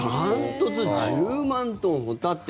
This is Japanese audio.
１０万トン、ホタテ。